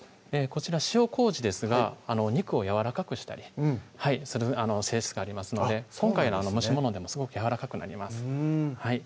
こちら塩麹ですが肉をやわらかくしたりする性質がありますので今回の蒸し物でもすごくやわらかくなります